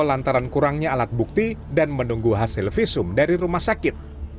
lantaran kurangnya alat bukti dan menunggu hasil visum dari rumah sakit